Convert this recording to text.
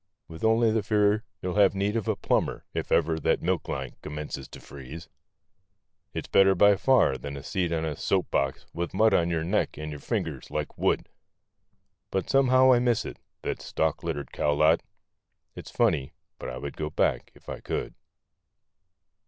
With only the fear you'll have need of a plumber if ever that milkline com¬ mences to freeze. It's better by far than a seat on a soap box with mud on your neck and your fingers like wood, But somehow I miss it, that stalk littered cowlot; it's funny, but I would go back if I could.